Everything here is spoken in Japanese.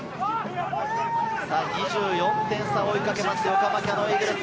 ２４点差を追いかける、横浜キヤノンイーグルス。